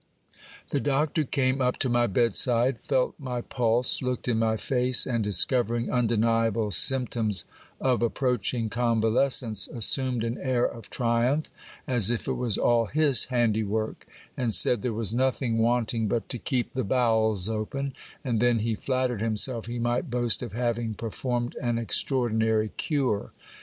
The doctor came up to my bedside, felt my pulse, looked in my face ; and discovering undeniable symptoms of approaching convalescence, assumed an air of triumph, as if it was all his handiwork ; and said there was nothing wanting but to keep the bowels open, and then he flattered himself he might boast of having performed an extraordinary cure.